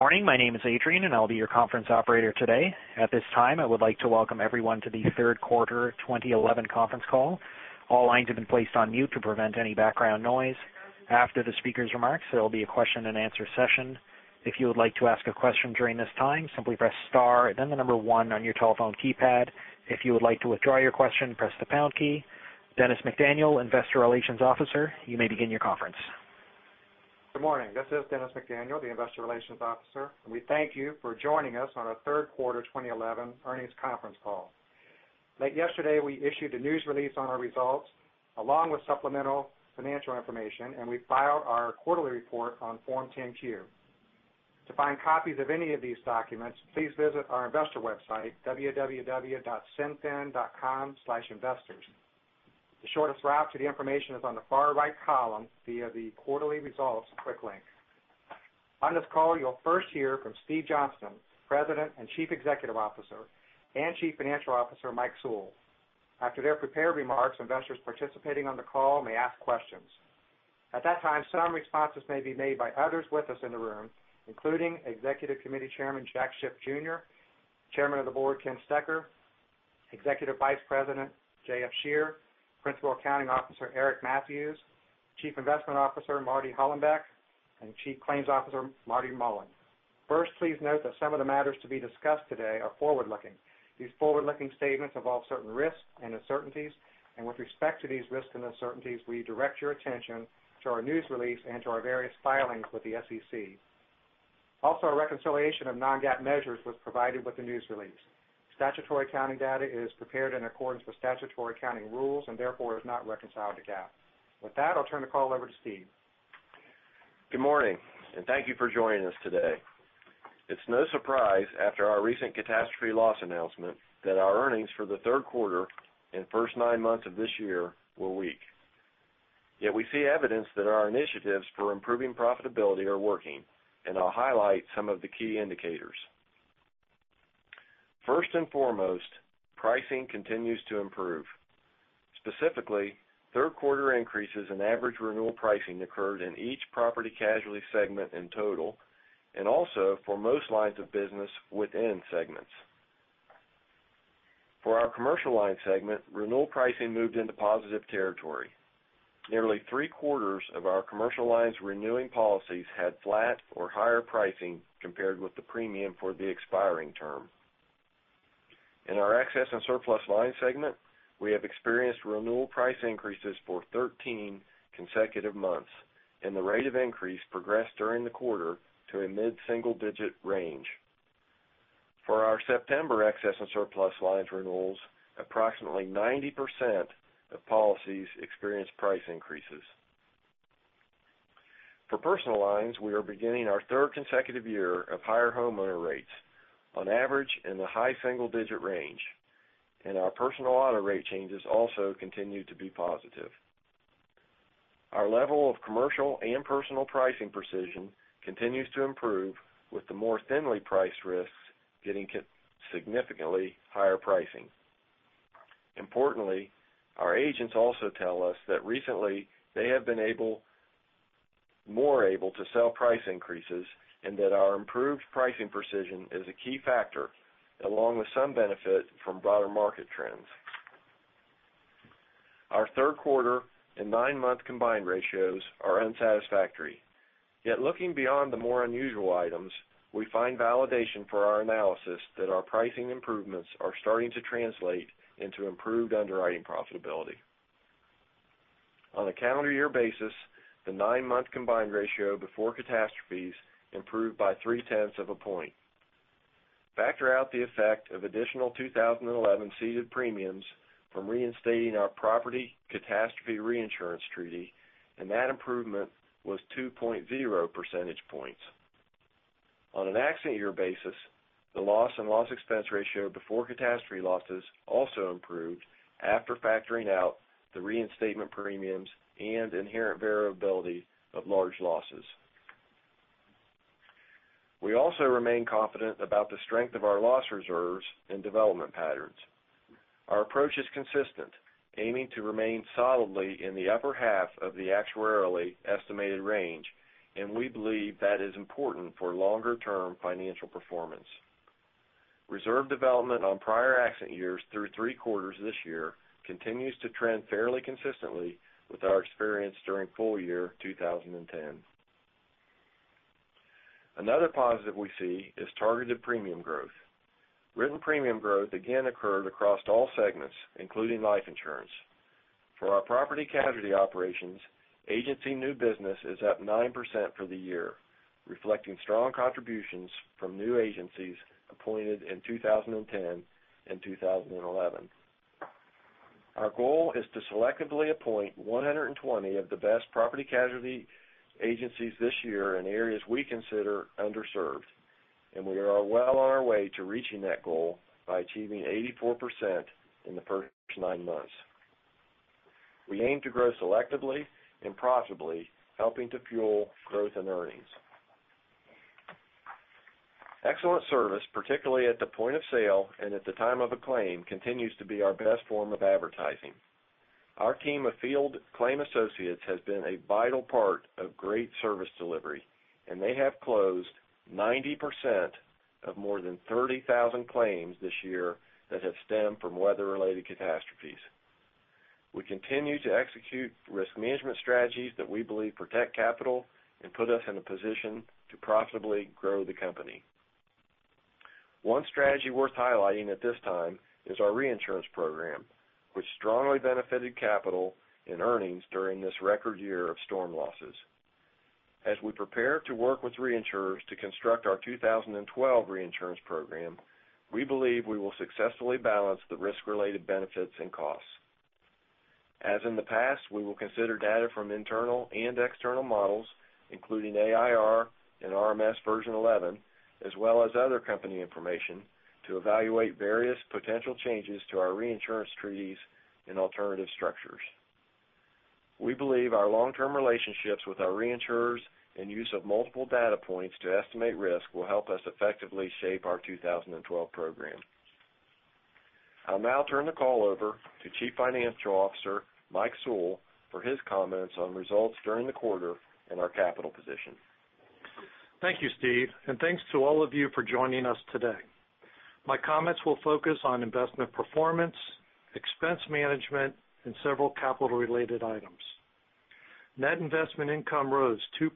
Morning. My name is Adrian, and I'll be your conference operator today. At this time, I would like to welcome everyone to the third quarter 2011 conference call. All lines have been placed on mute to prevent any background noise. After the speaker's remarks, there will be a question-and-answer session. If you would like to ask a question during this time, simply press star then the number 1 on your telephone keypad. If you would like to withdraw your question, press the pound key. Dennis McDaniel, investor relations officer, you may begin your conference. Good morning. This is Dennis McDaniel, the investor relations officer, and we thank you for joining us on our third quarter 2011 earnings conference call. Late yesterday, we issued a news release on our results along with supplemental financial information, and we filed our quarterly report on Form 10-Q. To find copies of any of these documents, please visit our investor website, www.cinfin.com/investors. The shortest route to the information is on the far right column via the quarterly results quick link. On this call, you'll first hear from Steve Johnston, president and chief executive officer, and Chief Financial Officer, Mike Sewell. After their prepared remarks, investors participating on the call may ask questions. At that time, some responses may be made by others with us in the room, including Executive Committee Chairman Jack Schiff Jr., Chairman of the Board Ken Stecher, Executive Vice President J.F. Scherer, Principal Accounting Officer Eric Mathews, Chief Investment Officer Marty Hollenbeck, and Chief Claims Officer Marty Mullen. First, please note that some of the matters to be discussed today are forward-looking. These forward-looking statements involve certain risks and uncertainties, and with respect to these risks and uncertainties, we direct your attention to our news release and to our various filings with the SEC. Also, a reconciliation of non-GAAP measures was provided with the news release. Statutory accounting data is prepared in accordance with statutory accounting rules and therefore is not reconciled to GAAP. With that, I'll turn the call over to Steve. Good morning, and thank you for joining us today. It's no surprise after our recent catastrophe loss announcement that our earnings for the third quarter and first nine months of this year were weak. Yet we see evidence that our initiatives for improving profitability are working, and I'll highlight some of the key indicators. First and foremost, pricing continues to improve. Specifically, third quarter increases in average renewal pricing occurred in each property casualty segment in total, and also for most lines of business within segments. For our commercial lines segment, renewal pricing moved into positive territory. Nearly three-quarters of our commercial lines renewing policies had flat or higher pricing compared with the premium for the expiring term. In our excess and surplus lines segment, we have experienced renewal price increases for 13 consecutive months, and the rate of increase progressed during the quarter to a mid-single-digit range. For our September excess and surplus lines renewals, approximately 90% of policies experienced price increases. For personal lines, we are beginning our third consecutive year of higher homeowner rates on average in the high single-digit range, and our personal auto rate changes also continue to be positive. Our level of commercial and personal pricing precision continues to improve with the more thinly priced risks getting significantly higher pricing. Importantly, our agents also tell us that recently they have been more able to sell price increases and that our improved pricing precision is a key factor along with some benefit from broader market trends. Our third quarter and nine-month combined ratios are unsatisfactory. Looking beyond the more unusual items, we find validation for our analysis that our pricing improvements are starting to translate into improved underwriting profitability. On a calendar year basis, the nine-month combined ratio before catastrophes improved by three-tenths of a point. Factor out the effect of additional 2011 ceded premiums from reinstating our property catastrophe reinsurance treaty, and that improvement was 2.0 percentage points. On an accident year basis, the loss and loss expense ratio before catastrophe losses also improved after factoring out the reinstatement premiums and inherent variability of large losses. We also remain confident about the strength of our loss reserves and development patterns. Our approach is consistent, aiming to remain solidly in the upper half of the actuarially estimated range, and we believe that is important for longer-term financial performance. Reserve development on prior accident years through three quarters this year continues to trend fairly consistently with our experience during full year 2010. Another positive we see is targeted premium growth. Written premium growth again occurred across all segments, including life insurance. For our property casualty operations, agency new business is up 9% for the year, reflecting strong contributions from new agencies appointed in 2010 and 2011. Our goal is to selectively appoint 120 of the best property casualty agencies this year in areas we consider underserved, and we are well on our way to reaching that goal by achieving 84% in the first nine months. We aim to grow selectively and profitably, helping to fuel growth and earnings. Excellent service, particularly at the point of sale and at the time of a claim, continues to be our best form of advertising. Our team of field claim associates has been a vital part of great service delivery, and they have closed 90% of more than 30,000 claims this year that have stemmed from weather-related catastrophes. We continue to execute risk management strategies that we believe protect capital and put us in a position to profitably grow the company. One strategy worth highlighting at this time is our reinsurance program, which strongly benefited capital and earnings during this record year of storm losses. As we prepare to work with reinsurers to construct our 2012 reinsurance program, we believe we will successfully balance the risk-related benefits and costs. As in the past, we will consider data from internal and external models, including AIR and RMS Version 11, as well as other company information to evaluate various potential changes to our reinsurance treaties and alternative structures. We believe our long-term relationships with our reinsurers and use of multiple data points to estimate risk will help us effectively shape our 2012 program. I'll now turn the call over to Chief Financial Officer Mike Sewell for his comments on results during the quarter and our capital position. Thank you, Steve, and thanks to all of you for joining us today. My comments will focus on investment performance, expense management, and several capital-related items. Net investment income rose 2%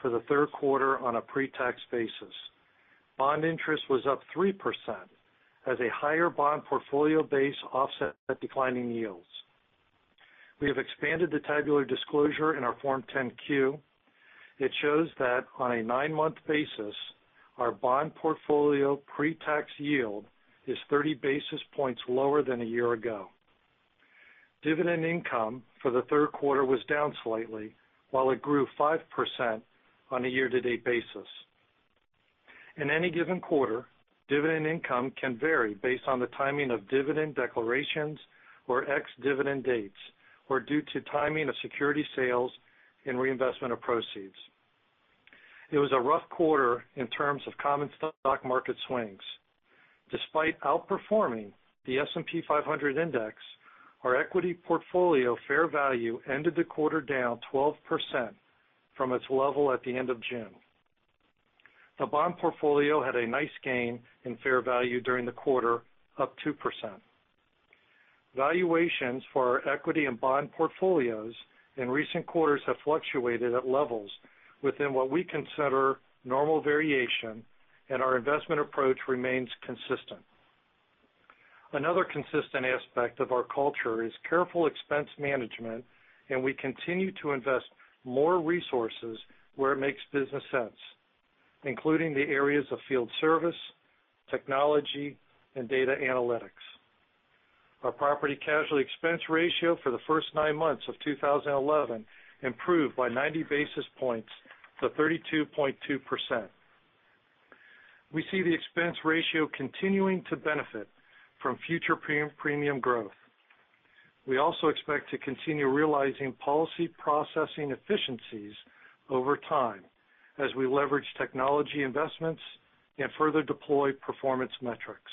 for the third quarter on a pre-tax basis. Bond interest was up 3% as a higher bond portfolio base offset declining yields. We have expanded the tabular disclosure in our Form 10-Q. It shows that on a nine-month basis, our bond portfolio pre-tax yield is 30 basis points lower than a year ago. Dividend income for the third quarter was down slightly, while it grew 5% on a year-to-date basis. In any given quarter, dividend income can vary based on the timing of dividend declarations or ex-dividend dates, or due to timing of security sales and reinvestment of proceeds. It was a rough quarter in terms of common stock market swings. Despite outperforming the S&P 500 Index, our equity portfolio fair value ended the quarter down 12% from its level at the end of June. The bond portfolio had a nice gain in fair value during the quarter, up 2%. Valuations for our equity and bond portfolios in recent quarters have fluctuated at levels within what we consider normal variation, and our investment approach remains consistent. Another consistent aspect of our culture is careful expense management, and we continue to invest more resources where it makes business sense, including the areas of field service, technology, and data analytics. Our property casualty expense ratio for the first nine months of 2011 improved by 90 basis points to 32.2%. We see the expense ratio continuing to benefit from future premium growth. We also expect to continue realizing policy processing efficiencies over time as we leverage technology investments and further deploy performance metrics.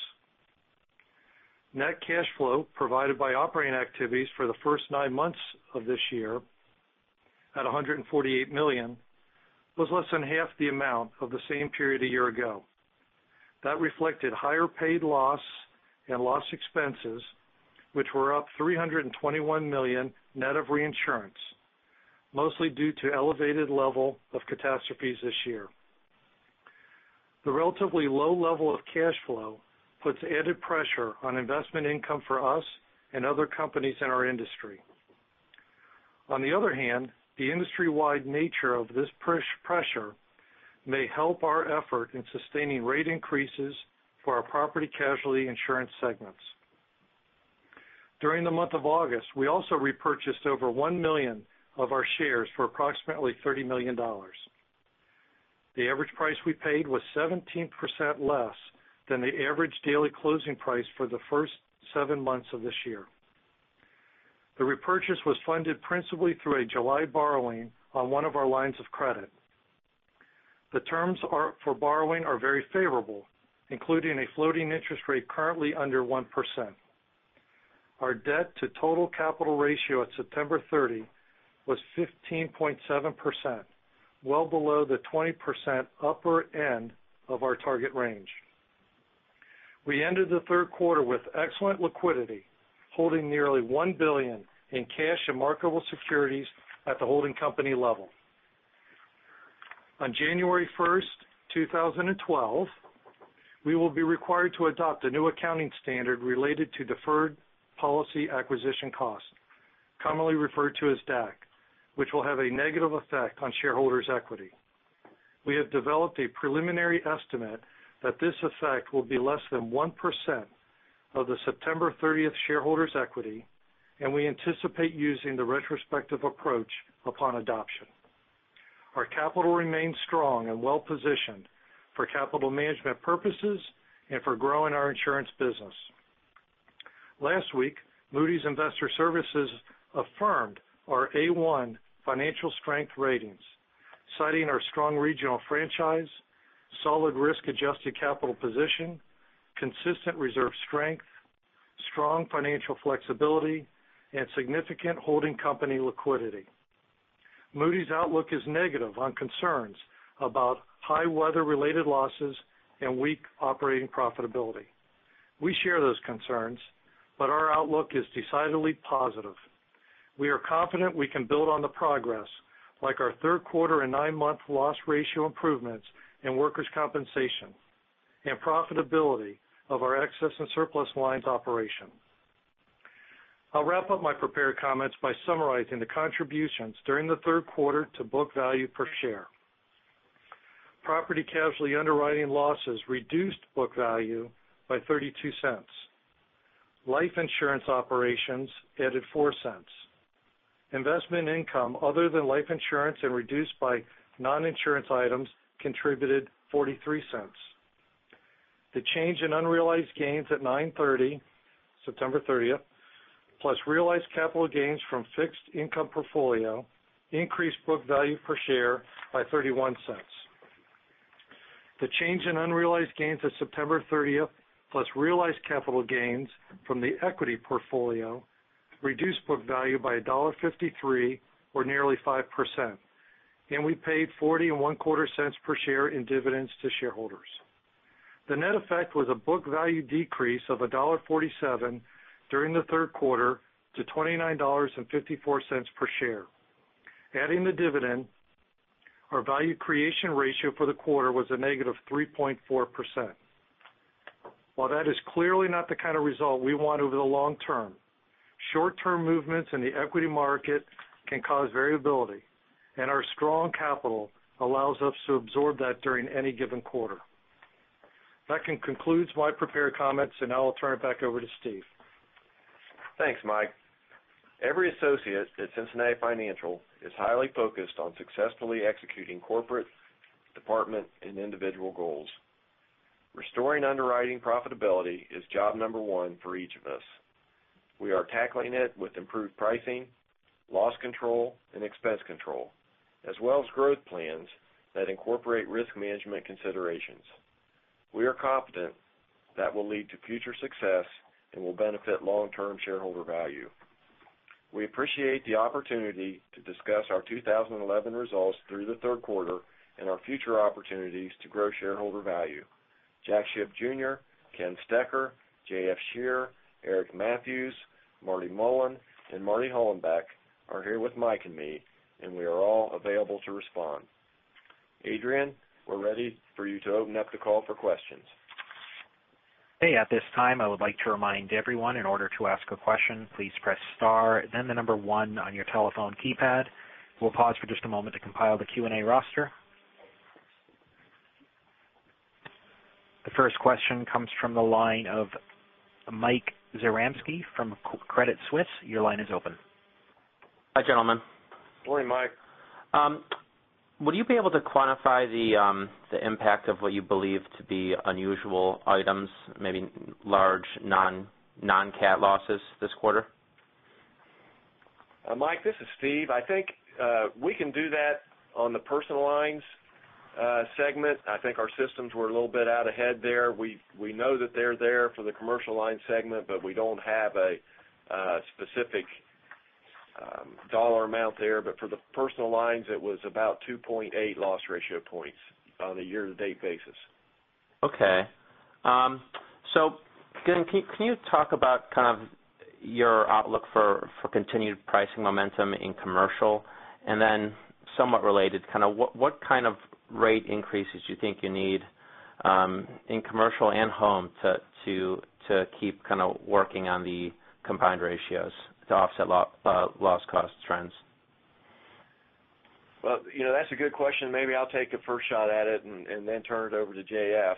Net cash flow provided by operating activities for the first nine months of this year, at $148 million, was less than half the amount of the same period a year ago. That reflected higher paid loss and loss expenses, which were up $321 million net of reinsurance, mostly due to elevated level of catastrophes this year. The industry-wide nature of this pressure may help our effort in sustaining rate increases for our property casualty insurance segments. During the month of August, we also repurchased over 1 million of our shares for approximately $30 million. The average price we paid was 17% less than the average daily closing price for the first seven months of this year. The repurchase was funded principally through a July borrowing on one of our lines of credit. The terms for borrowing are very favorable, including a floating interest rate currently under 1%. Our debt to total capital ratio at September 30 was 15.7%, well below the 20% upper end of our target range. We ended the third quarter with excellent liquidity, holding nearly $1 billion in cash and marketable securities at the holding company level. On January 1st, 2012, we will be required to adopt a new accounting standard related to deferred policy acquisition costs, commonly referred to as DAC, which will have a negative effect on shareholders' equity. We have developed a preliminary estimate that this effect will be less than 1% of the September 30th shareholders' equity, and we anticipate using the retrospective approach upon adoption. Our capital remains strong and well-positioned for capital management purposes and for growing our insurance business. Last week, Moody's Investors Service affirmed our A1 financial strength ratings. Citing our strong regional franchise, solid risk-adjusted capital position, consistent reserve strength, strong financial flexibility, and significant holding company liquidity. Moody's outlook is negative on concerns about high weather-related losses and weak operating profitability. We share those concerns, but our outlook is decidedly positive. We are confident we can build on the progress, like our third quarter and nine-month loss ratio improvements in workers' compensation and profitability of our excess and surplus lines operation. I'll wrap up my prepared comments by summarizing the contributions during the third quarter to book value per share. Property casualty underwriting losses reduced book value by $0.32. Life insurance operations added $0.04. Investment income other than life insurance and reduced by non-insurance items contributed $0.43. The change in unrealized gains at 9/30, September 30th, plus realized capital gains from fixed income portfolio increased book value per share by $0.31. The change in unrealized gains at September 30th, plus realized capital gains from the equity portfolio reduced book value by $1.53, or nearly 5%, and we paid $0.4025 per share in dividends to shareholders. The net effect was a book value decrease of $1.47 during the third quarter to $29.54 per share. Adding the dividend, our value creation ratio for the quarter was a negative 3.4%. While that is clearly not the kind of result we want over the long term, short-term movements in the equity market can cause variability, and our strong capital allows us to absorb that during any given quarter. That concludes my prepared comments, and now I'll turn it back over to Steve. Thanks, Mike. Every associate at Cincinnati Financial is highly focused on successfully executing corporate, department, and individual goals. Restoring underwriting profitability is job number one for each of us. We are tackling it with improved pricing, loss control, and expense control, as well as growth plans that incorporate risk management considerations. We are confident that will lead to future success and will benefit long-term shareholder value. We appreciate the opportunity to discuss our 2011 results through the third quarter and our future opportunities to grow shareholder value. Jack Schiff Jr., Ken Stecher, J.F. Scherer, Eric Mathews, Marty Mullen, and Marty Hollenbeck are here with Mike and me, and we are all available to respond. Adrian, we're ready for you to open up the call for questions. At this time, I would like to remind everyone, in order to ask a question, please press star, then the number one on your telephone keypad. We'll pause for just a moment to compile the Q&A roster. The first question comes from the line of Mike Zaremski from Credit Suisse. Your line is open. Hi, gentlemen. Morning, Mike. Would you be able to quantify the impact of what you believe to be unusual items, maybe large non-cat losses this quarter? Mike, this is Steve. I think we can do that on the personal lines segment. I think our systems were a little bit out ahead there. We know that they're there for the commercial line segment, but we don't have a specific dollar amount there. For the personal lines, it was about 2.8 loss ratio points on a year-to-date basis. Okay. Can you talk about your outlook for continued pricing momentum in commercial? Somewhat related, what kind of rate increases you think you need in commercial and home to keep working on the combined ratios to offset loss cost trends? Well, that's a good question. Maybe I'll take a first shot at it and then turn it over to J.F.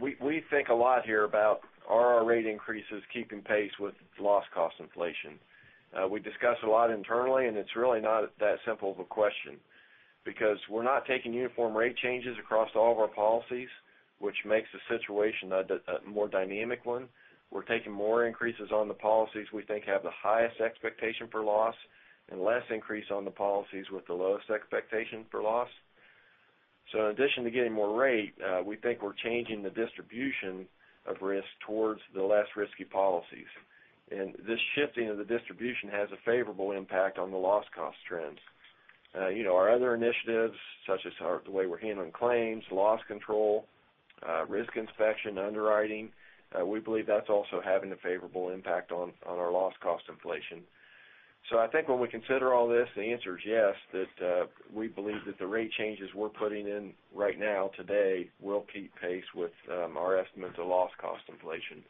We think a lot here about, are our rate increases keeping pace with loss cost inflation? We discuss a lot internally, and it's really not that simple of a question because we're not taking uniform rate changes across all of our policies, which makes the situation a more dynamic one. We're taking more increases on the policies we think have the highest expectation for loss and less increase on the policies with the lowest expectation for loss. In addition to getting more rate, we think we're changing the distribution of risk towards the less risky policies. This shifting of the distribution has a favorable impact on the loss cost trends. Our other initiatives, such as the way we're handling claims, loss control, risk inspection, underwriting, we believe that's also having a favorable impact on our loss cost inflation. I think when we consider all this, the answer is yes, that we believe that the rate changes we're putting in right now today will keep pace with our estimate of loss cost inflation.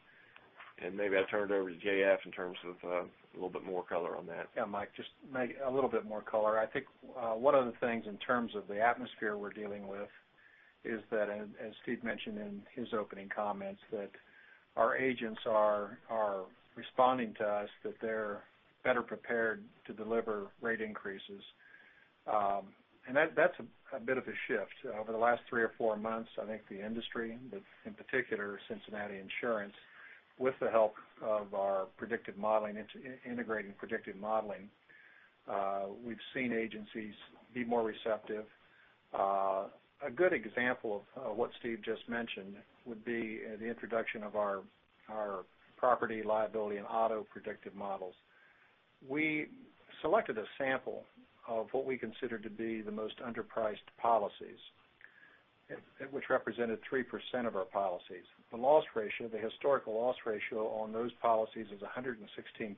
Maybe I turn it over to J.F. in terms of a little bit more color on that. Yeah, Mike, just a little bit more color. I think one of the things in terms of the atmosphere we're dealing with is that, as Steve mentioned in his opening comments, that our agents are responding to us that they're better prepared to deliver rate increases That's a bit of a shift. Over the last three or four months, I think the industry, but in particular, Cincinnati Insurance, with the help of our predictive modeling, integrating predictive modeling, we've seen agencies be more receptive. A good example of what Steve just mentioned would be the introduction of our property liability and auto-predictive models. We selected a sample of what we consider to be the most underpriced policies, which represented 3% of our policies. The historical loss ratio on those policies is 116%.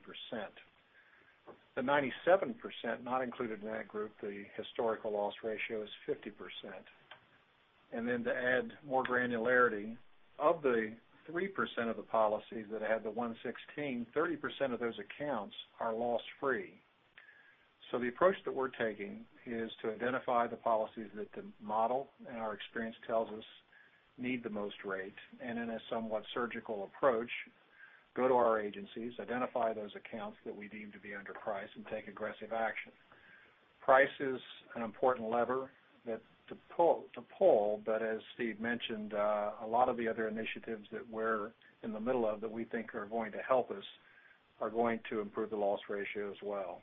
The 97% not included in that group, the historical loss ratio is 50%. Then to add more granularity, of the 3% of the policies that had the 116%, 30% of those accounts are loss-free. The approach that we're taking is to identify the policies that the model and our experience tells us need the most rate, and in a somewhat surgical approach, go to our agencies, identify those accounts that we deem to be underpriced, and take aggressive action. Price is an important lever to pull, but as Steve mentioned, a lot of the other initiatives that we're in the middle of that we think are going to help us are going to improve the loss ratio as well.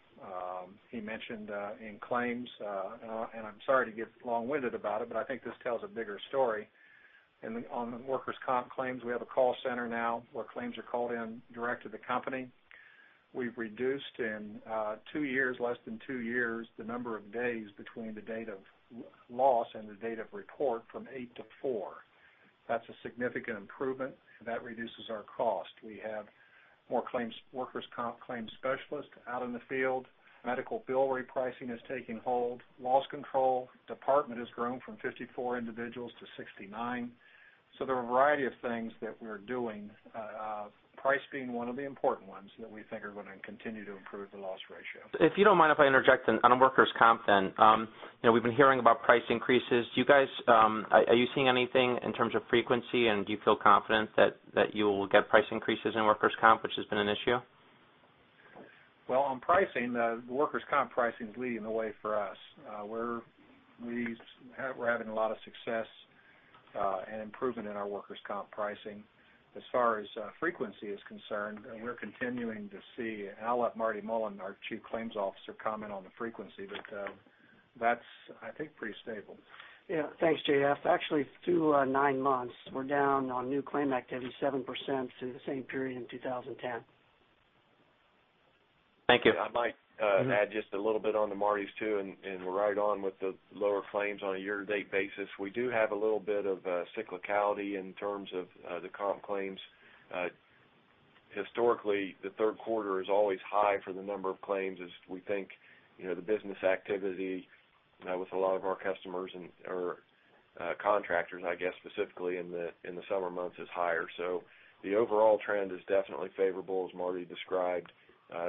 He mentioned in claims, and I'm sorry to get long-winded about it, but I think this tells a bigger story. On workers' comp claims, we have a call center now where claims are called in direct to the company. We've reduced in two years, less than two years, the number of days between the date of loss and the date of report from eight to four. That's a significant improvement, and that reduces our cost. We have more workers' comp claims specialists out in the field. Medical bill repricing is taking hold. Loss control department has grown from 54 individuals to 69. There are a variety of things that we're doing, price being one of the important ones that we think are going to continue to improve the loss ratio. If you don't mind if I interject on workers' comp then. We've been hearing about price increases. Are you seeing anything in terms of frequency, and do you feel confident that you'll get price increases in workers' comp, which has been an issue? Well, on pricing, the workers' comp pricing is leading the way for us. We're having a lot of success and improvement in our workers' comp pricing. As far as frequency is concerned, we're continuing to see, and I'll let Marty Mullen, our Chief Claims Officer, comment on the frequency, but that's, I think, pretty stable. Yeah. Thanks, JF. Actually, through nine months, we're down on new claim activity 7% to the same period in 2010. Thank you. I might add just a little bit onto Marty's, too, and we're right on with the lower claims on a year-to-date basis. We do have a little bit of cyclicality in terms of the comp claims. Historically, the third quarter is always high for the number of claims as we think the business activity with a lot of our customers and our contractors, I guess, specifically in the summer months is higher. The overall trend is definitely favorable, as Marty described.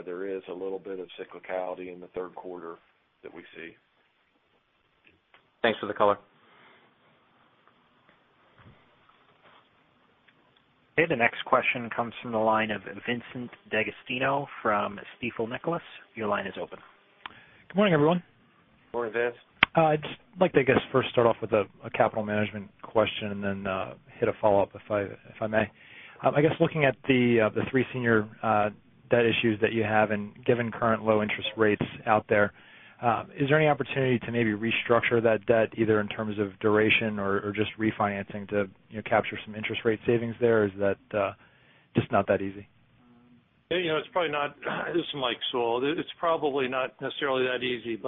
There is a little bit of cyclicality in the third quarter that we see. Thanks for the color. Okay. The next question comes from the line of Vincent D'Agostino from Stifel Nicolaus. Your line is open. Good morning, everyone. Morning, Vince. I'd just like to, I guess, first start off with a capital management question and then hit a follow-up if I may. I guess looking at the three senior debt issues that you have and given current low interest rates out there, is there any opportunity to maybe restructure that debt either in terms of duration or just refinancing to capture some interest rate savings there? Is that just not that easy? This is Mike Sewell. It's probably not necessarily that easy,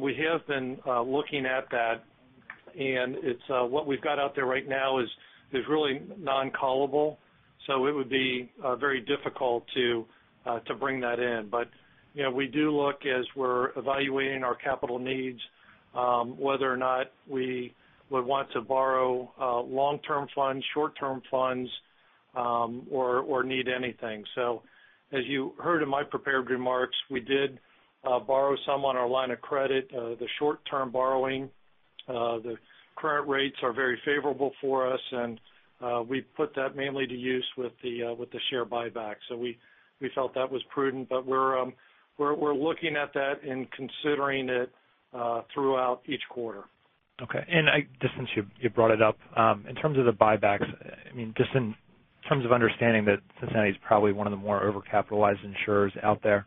we have been looking at that, and what we've got out there right now is really non-callable, so it would be very difficult to bring that in. We do look as we're evaluating our capital needs, whether or not we would want to borrow long-term funds, short-term funds, or need anything. As you heard in my prepared remarks, we did borrow some on our line of credit. The short-term borrowing, the current rates are very favorable for us, and we put that mainly to use with the share buyback. We felt that was prudent, but we're looking at that and considering it throughout each quarter. Okay. Just since you brought it up, in terms of the buybacks, just in terms of understanding that Cincinnati is probably one of the more overcapitalized insurers out there,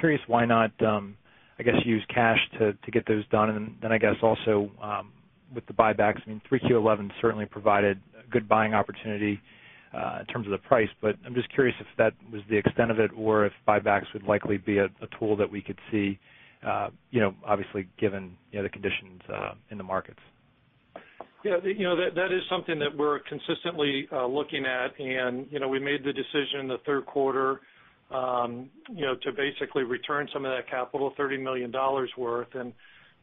curious why not, I guess, use cash to get those done? Then I guess also with the buybacks, I mean, Q3 2011 certainly provided a good buying opportunity in terms of the price, but I'm just curious if that was the extent of it or if buybacks would likely be a tool that we could see, obviously given the other conditions in the markets. Yeah. That is something that we're consistently looking at. We made the decision the third quarter to basically return some of that capital, $30 million worth, and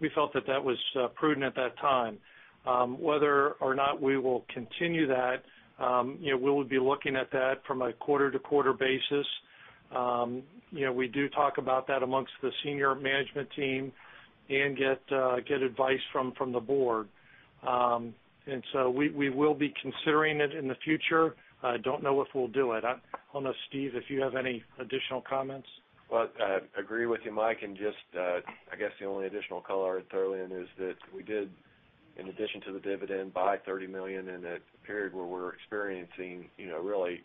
we felt that that was prudent at that time. Whether or not we will continue that, we'll be looking at that from a quarter-to-quarter basis. We do talk about that amongst the senior management team and get advice from the board. We will be considering it in the future. I don't know if we'll do it. I don't know, Steve, if you have any additional comments. Well, I agree with you, Mike. Just, I guess the only additional color I'd throw in is that we did, in addition to the dividend, buy $30 million in a period where we're experiencing really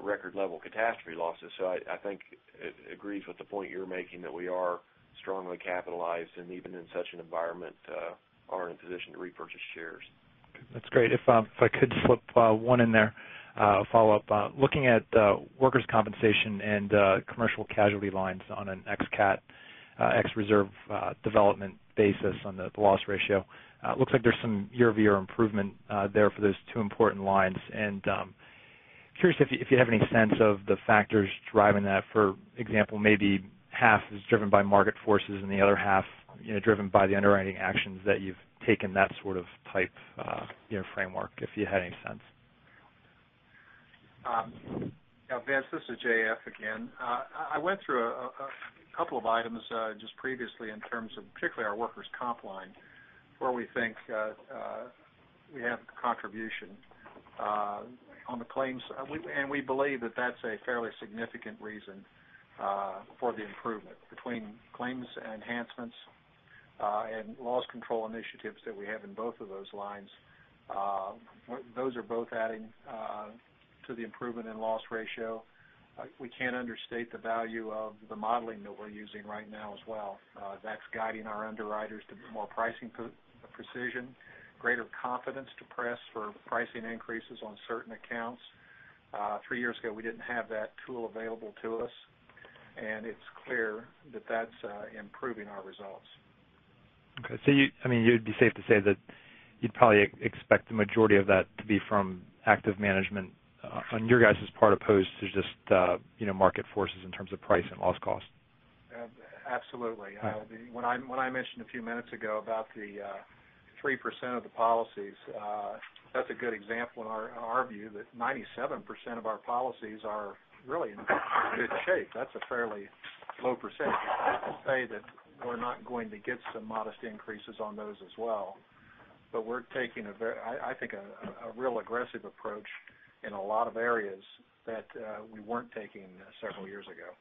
record-level catastrophe losses. I think it agrees with the point you're making, that we are strongly capitalized, and even in such an environment, are in a position to repurchase shares. That's great. If I could slip one in there, a follow-up. Looking at workers' compensation and commercial casualty lines on an ex-cat, ex reserve development basis on the loss ratio, it looks like there's some year-over-year improvement there for those two important lines. Curious if you have any sense of the factors driving that. For example, maybe half is driven by market forces and the other half driven by the underwriting actions that you've taken, that sort of type framework, if you had any sense. Vince, this is J.F. again. I went through a couple of items just previously in terms of particularly our workers' comp line, where we think we have contribution on the claims side. We believe that that's a fairly significant reason for the improvement between claims enhancements and loss control initiatives that we have in both of those lines. Those are both adding to the improvement in loss ratio. We can't understate the value of the modeling that we're using right now as well. That's guiding our underwriters to more pricing precision, greater confidence to press for pricing increases on certain accounts. Three years ago, we didn't have that tool available to us. It's clear that that's improving our results. Okay. It'd be safe to say that you'd probably expect the majority of that to be from active management on your guys' part, opposed to just market forces in terms of price and loss cost? Absolutely. All right. When I mentioned a few minutes ago about the 3% of the policies, that's a good example in our view that 97% of our policies are really in good shape. That's a fairly low percentage. I wouldn't say that we're not going to get some modest increases on those as well, but we're taking, I think, a real aggressive approach in a lot of areas that we weren't taking several years ago.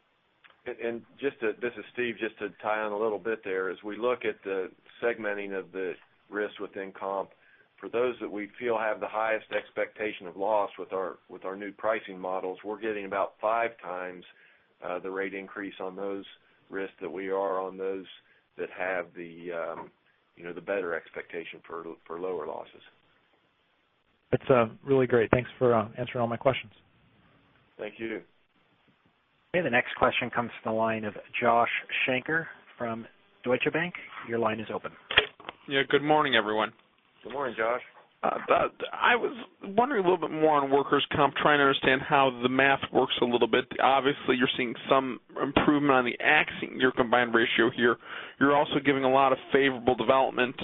This is Steve. Just to tie in a little bit there. As we look at the segmenting of the risk within comp, for those that we feel have the highest expectation of loss with our new pricing models, we're getting about five times the rate increase on those risks that we are on those that have the better expectation for lower losses. That's really great. Thanks for answering all my questions. Thank you. The next question comes from the line of Joshua Shanker from Deutsche Bank. Your line is open. Yeah. Good morning, everyone. Good morning, Josh. I was wondering a little bit more on workers' comp, trying to understand how the math works a little bit. Obviously, you're seeing some improvement on the accident year combined ratio here. You're also giving a lot of favorable development.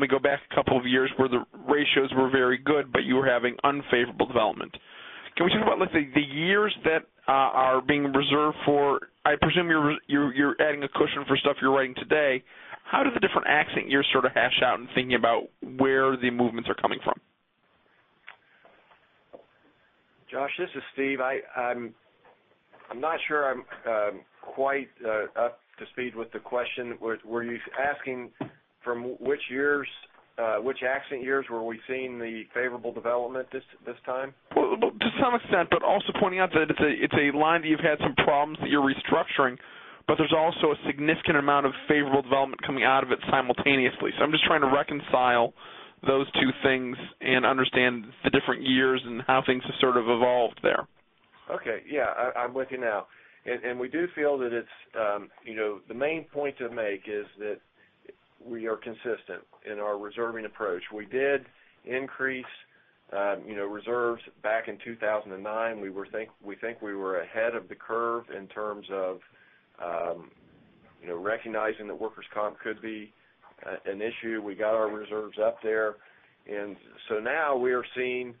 We go back a couple of years where the ratios were very good, but you were having unfavorable development. Can we talk about the years that are being reserved for, I presume you're adding a cushion for stuff you're writing today. How do the different accident years sort of hash out in thinking about where the movements are coming from? Josh, this is Steve. I'm not sure I'm quite up to speed with the question. Were you asking from which years, which accident years were we seeing the favorable development this time? To some extent, but also pointing out that it's a line that you've had some problems that you're restructuring, but there's also a significant amount of favorable development coming out of it simultaneously. I'm just trying to reconcile those two things and understand the different years and how things have sort of evolved there. Okay. Yeah. I'm with you now. We do feel that the main point to make is that we are consistent in our reserving approach. We did increase reserves back in 2009. We think we were ahead of the curve in terms of recognizing that workers' comp could be an issue. We got our reserves up there. Now we are seeing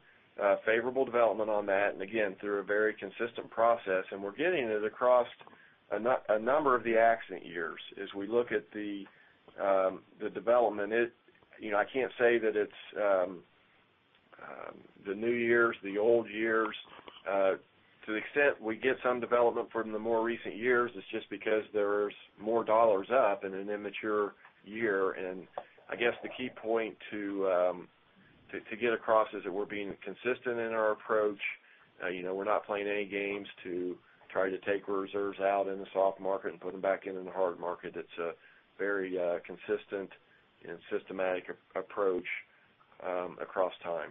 favorable development on that, and again, through a very consistent process. We're getting it across a number of the accident years as we look at the development. I can't say that it's the new years, the old years. To the extent we get some development from the more recent years, it's just because there's more dollars up in an immature year. I guess the key point to get across is that we're being consistent in our approach. We're not playing any games to try to take reserves out in the soft market and put them back in in the hard market. It's a very consistent and systematic approach across time.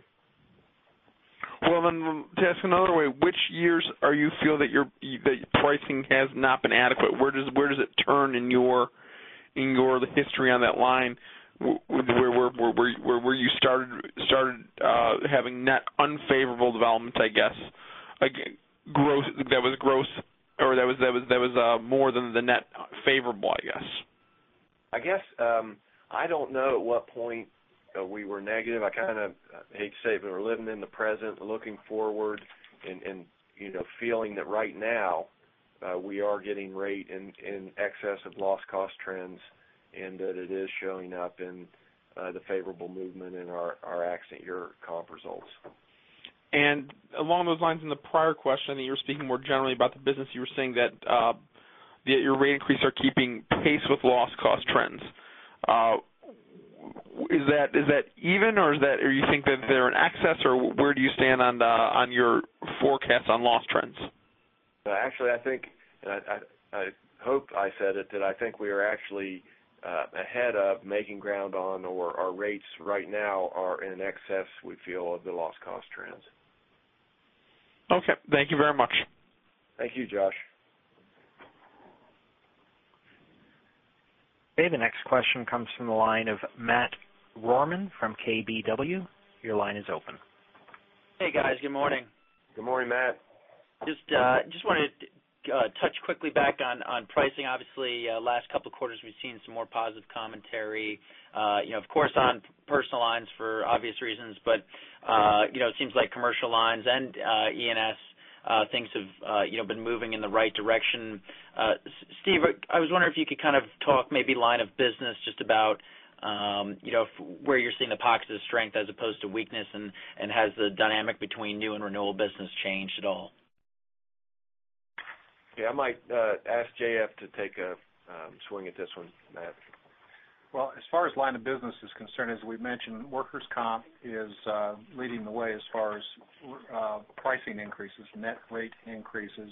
To ask another way, which years do you feel that your pricing has not been adequate? Where does it turn in your history on that line? Where you started having net unfavorable developments, I guess, that was gross, or that was more than the net favorable, I guess? I guess, I don't know at what point we were negative. I kind of hate to say it, We're living in the present, we're looking forward, and feeling that right now. We are getting rate in excess of loss cost trends, and that it is showing up in the favorable movement in our accident year comp results. Along those lines, in the prior question that you were speaking more generally about the business, you were saying that your rate increase are keeping pace with loss cost trends. Is that even, or you think that they're in excess, or where do you stand on your forecast on loss trends? Actually, I think, and I hope I said it, that I think we are actually ahead of making ground on, or our rates right now are in excess, we feel, of the loss cost trends. Okay. Thank you very much. Thank you, Josh. Okay. The next question comes from the line of Matt Rohrmann from KBW. Your line is open. Hey, guys. Good morning. Good morning, Matt. Just wanted to touch quickly back on pricing. Obviously, last couple of quarters, we've seen some more positive commentary, of course, on personal lines for obvious reasons. It seems like commercial lines and E&S, things have been moving in the right direction. Steve, I was wondering if you could kind of talk maybe line of business just about where you're seeing the pockets of strength as opposed to weakness, and has the dynamic between new and renewal business changed at all? I might ask J.F. to take a swing at this one, Matt. As far as line of business is concerned, as we mentioned, workers' comp is leading the way as far as pricing increases, net rate increases.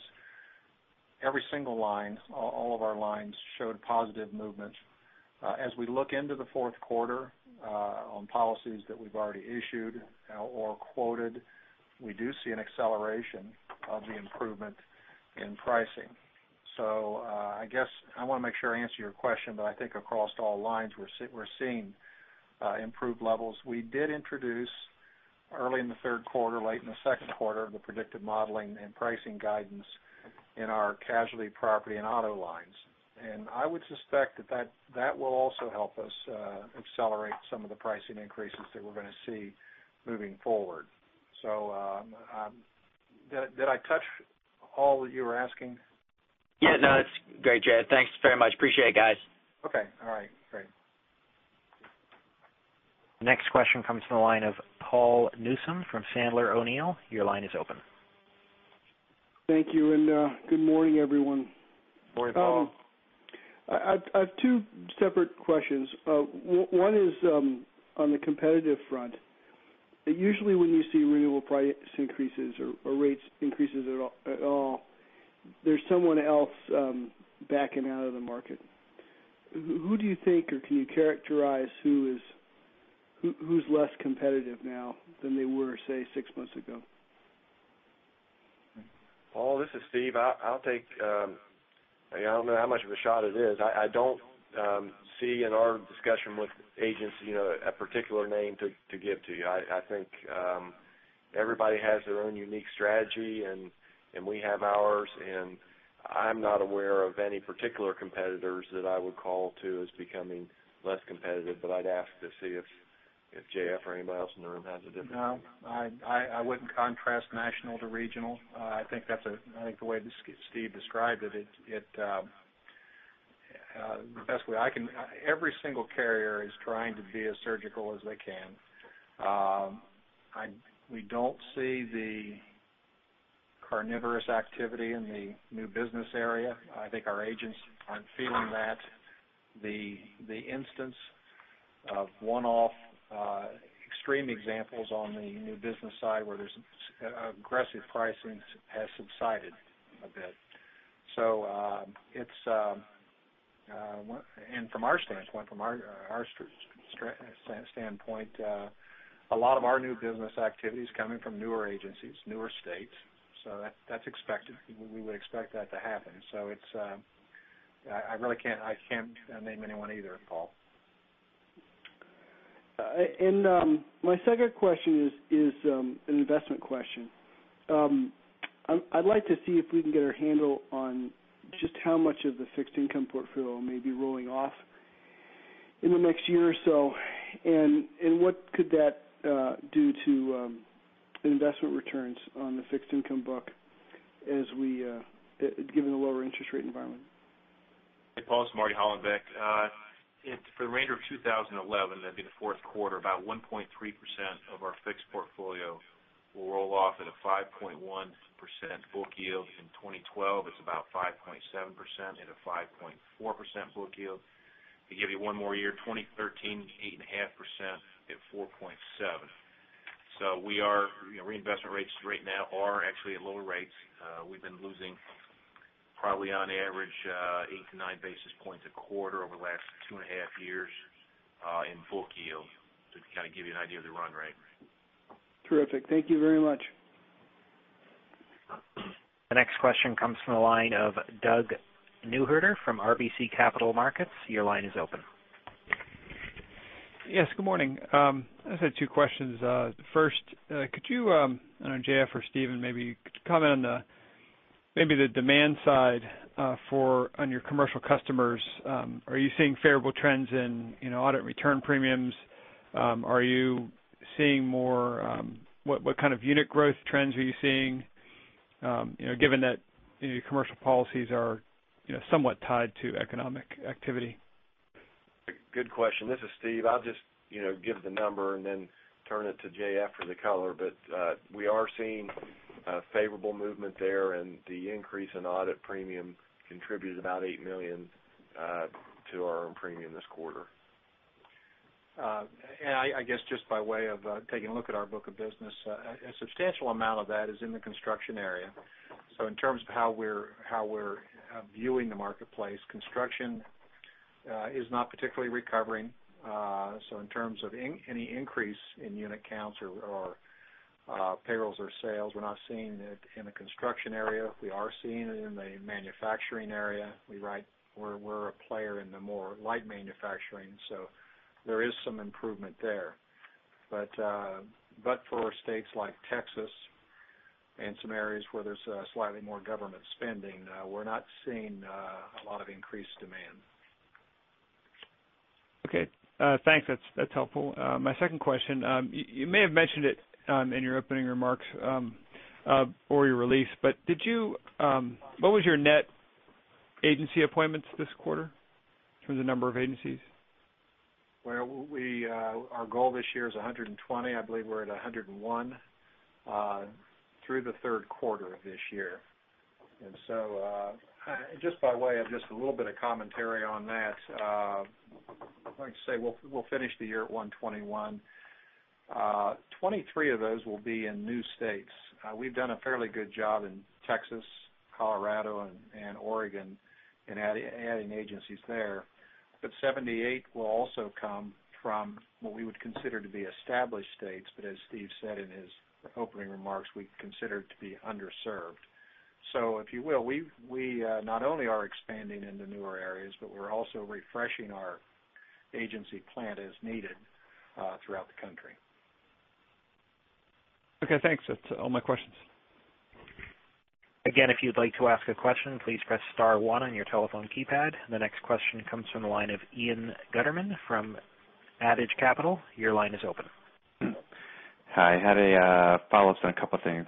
Every single line, all of our lines showed positive movement. As we look into the fourth quarter on policies that we've already issued or quoted, we do see an acceleration of the improvement in pricing. I guess I want to make sure I answer your question, but I think across all lines, we're seeing improved levels. We did introduce early in the third quarter, late in the second quarter, the predictive modeling and pricing guidance in our casualty property and auto lines. I would suspect that that will also help us accelerate some of the pricing increases that we're going to see moving forward. Did I touch all that you were asking? That's great, J.F. Thanks very much. Appreciate it, guys. Great. Next question comes from the line of Paul Newsome from Sandler O'Neill. Your line is open. Thank you. Good morning, everyone. Morning, Paul. I have two separate questions. One is on the competitive front. Usually, when you see renewal price increases or rates increases at all, there's someone else backing out of the market. Who do you think, or can you characterize who's less competitive now than they were, say, six months ago? Paul, this is Steve. I'll take, I don't know how much of a shot it is. I don't see in our discussion with agents a particular name to give to you. I think everybody has their own unique strategy, and we have ours, and I'm not aware of any particular competitors that I would call to as becoming less competitive. I'd ask to see if J.F. or anybody else in the room has a different view. I wouldn't contrast national to regional. I think the way Steve described it, the best way I can-- every single carrier is trying to be as surgical as they can. We don't see the cannibalization activity in the new business area. I think our agents aren't feeling that the instance of one-off extreme examples on the new business side where there's aggressive pricing has subsided a bit. From our standpoint, a lot of our new business activity is coming from newer agencies, newer states. That's expected. We would expect that to happen. I really can't name anyone either, Paul. My second question is an investment question. I'd like to see if we can get our handle on just how much of the fixed income portfolio may be rolling off in the next year or so, and what could that do to investment returns on the fixed income book given the lower interest rate environment. Hey, Paul, this is Marty Hollenbeck. For the remainder of 2011, that'd be the fourth quarter, about 1.3% of our fixed portfolio will roll off at a 5.1% book yield. In 2012, it's about 5.7% at a 5.4% book yield. To give you one more year, 2013, 8.5% at 4.7%. Reinvestment rates right now are actually at lower rates. We've been losing probably on average eight to nine basis points a quarter over the last two and a half years in book yield to kind of give you an idea of the run rate. Terrific. Thank you very much. The next question comes from the line of Doug Neuhardt from RBC Capital Markets. Your line is open. Yes, good morning. I just had two questions. First, could you, I don't know, JF or Steven maybe, could you comment on maybe the demand side on your commercial customers? Are you seeing favorable trends in audit return premiums? Are you seeing what kind of unit growth trends are you seeing given that your commercial policies are somewhat tied to economic activity? Good question. This is Steve. I'll just give the number and then turn it to JF for the color. We are seeing a favorable movement there, and the increase in audit premium contributed about $8 million to our own premium this quarter. I guess just by way of taking a look at our book of business, a substantial amount of that is in the construction area. In terms of how we're viewing the marketplace, construction is not particularly recovering. In terms of any increase in unit counts or payrolls or sales, we're not seeing it in the construction area. We are seeing it in the manufacturing area. We're a player in the more light manufacturing, there is some improvement there. For states like Texas and some areas where there's slightly more government spending, we're not seeing a lot of increased demand. Okay, thanks. That's helpful. My second question, you may have mentioned it in your opening remarks or your release, but what was your net agency appointments this quarter in terms of number of agencies? Well, our goal this year is 120. I believe we're at 101 through the third quarter of this year. Just by way of just a little bit of commentary on that, like I say, we'll finish the year at 121. 23 of those will be in new states. We've done a fairly good job in Texas, Colorado, and Oregon in adding agencies there. 78 will also come from what we would consider to be established states, but as Steve said in his opening remarks, we consider to be underserved. If you will, we not only are expanding into newer areas, but we're also refreshing our agency plant as needed throughout the country. Okay, thanks. That's all my questions. Again, if you'd like to ask a question, please press star one on your telephone keypad. The next question comes from the line of Ian Gutterman from Adage Capital. Your line is open. Hi. I had a follow-up on a couple of things.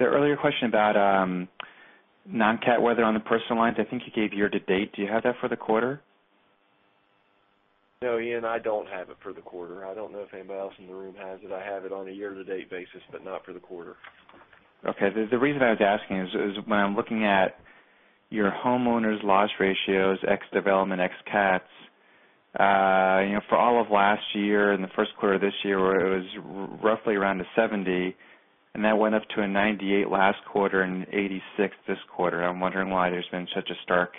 The earlier question about non-cat weather on the personal lines, I think you gave year-to-date. Do you have that for the quarter? No, Ian, I don't have it for the quarter. I don't know if anybody else in the room has it. I have it on a year-to-date basis, but not for the quarter. Okay. The reason I was asking is when I'm looking at your homeowners' loss ratios, ex development, ex cats, for all of last year and the first quarter of this year, where it was roughly around the 70, and that went up to a 98 last quarter and 86 this quarter. I'm wondering why there's been such a stark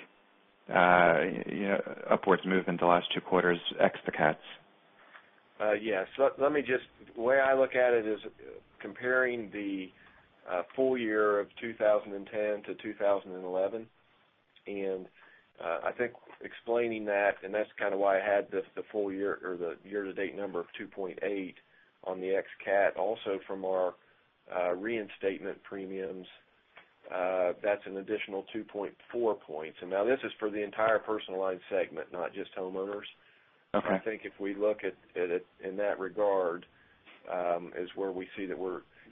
upwards movement the last two quarters ex the cats. Yes. The way I look at it is comparing the full year of 2010 to 2011. I think explaining that, and that's why I had the year-to-date number of 2.8 on the ex cat. Also from our reinstatement premiums, that's an additional 2.4 points. Now this is for the entire personal line segment, not just homeowners. Okay. I think if we look at it in that regard is where we see that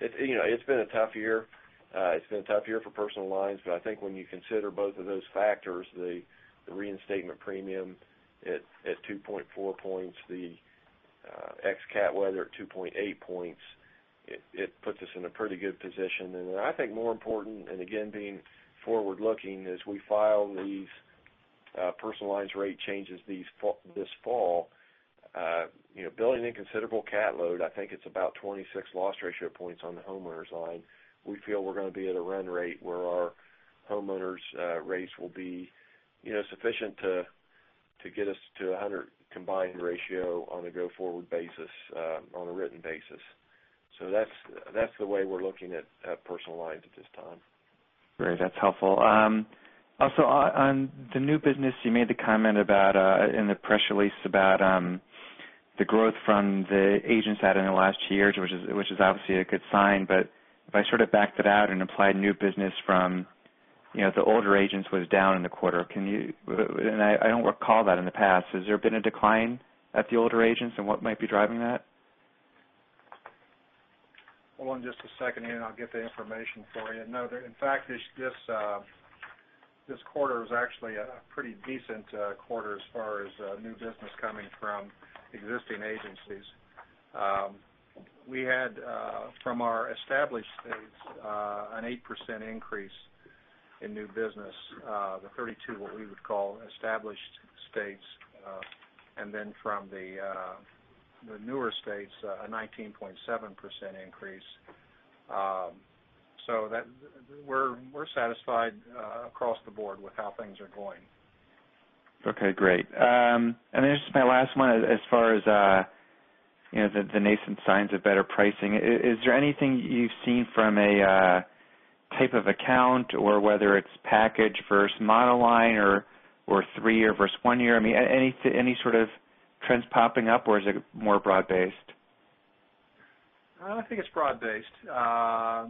it's been a tough year. It's been a tough year for personal lines. I think when you consider both of those factors, the reinstatement premium at 2.4 points, the ex cat weather at 2.8 points, it puts us in a pretty good position. Then I think more important, and again, being forward-looking as we file these personalized rate changes this fall, building in considerable cat load, I think it's about 26 loss ratio points on the homeowners line. We feel we're going to be at a run rate where our homeowners' rates will be sufficient to get us to 100 combined ratio on a go-forward basis on a written basis. That's the way we're looking at personal lines at this time. Great. That's helpful. Also on the new business you made the comment in the press release about the growth from the agents at in the last year, which is obviously a good sign, but if I sort of backed it out and applied new business from the older agents was down in the quarter. I don't recall that in the past. Has there been a decline at the older agents and what might be driving that? Hold on just a second, Ian, I'll get the information for you. In fact, this quarter is actually a pretty decent quarter as far as new business coming from existing agencies. We had, from our established states, an 8% increase in new business, the 32 what we would call established states, and then from the newer states, a 19.7% increase. We're satisfied across the board with how things are going. Okay, great. Just my last one, as far as the nascent signs of better pricing, is there anything you've seen from a type of account or whether it's package versus monoline or three year versus one year? Any sort of trends popping up or is it more broad based? I think it's broad-based. I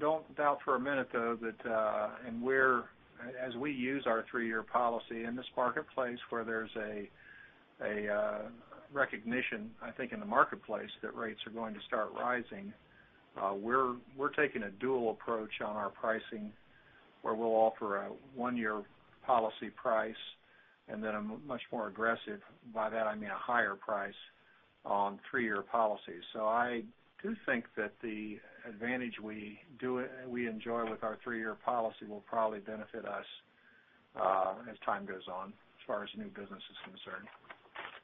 don't doubt for a minute, though, that as we use our three-year policy in this marketplace where there's a recognition, I think, in the marketplace that rates are going to start rising. We're taking a dual approach on our pricing where we'll offer a one-year policy price and then a much more aggressive, by that I mean a higher price, on three-year policies. I do think that the advantage we enjoy with our three-year policy will probably benefit us as time goes on as far as new business is concerned.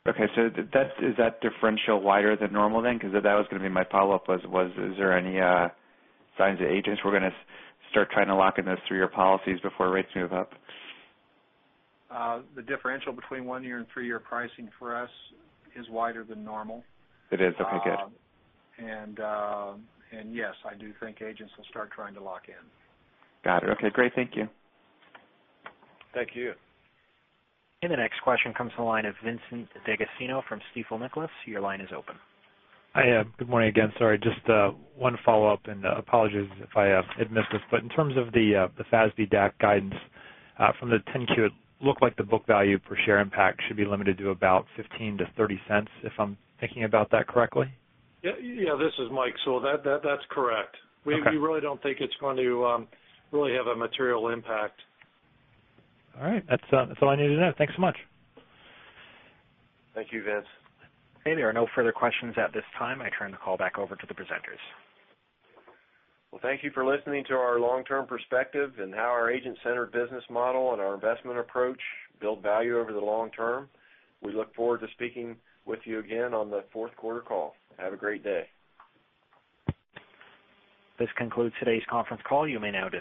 Okay. Is that differential wider than normal then? Because that was going to be my follow-up, was is there any signs that agents were going to start trying to lock in those three-year policies before rates move up? The differential between one-year and three-year pricing for us is wider than normal. It is? Okay, good. Yes, I do think agents will start trying to lock in. Got it. Okay, great. Thank you. Thank you. The next question comes from the line of Vincent D'Agostino from Stifel Nicolaus. Your line is open. Hi. Good morning again. Sorry, just one follow-up and apologies if I had missed this, but in terms of the FASB DAC guidance from the 10-Q, it looked like the book value per share impact should be limited to about $0.15-$0.30 if I'm thinking about that correctly. Yeah. This is Mike Sewell. That's correct. Okay. We really don't think it's going to really have a material impact. All right. That's all I needed to know. Thanks so much. Thank you, Vince. Okay, there are no further questions at this time. I turn the call back over to the presenters. Well, thank you for listening to our long-term perspective and how our agent-centered business model and our investment approach build value over the long term. We look forward to speaking with you again on the fourth quarter call. Have a great day. This concludes today's conference call. You may now disconnect.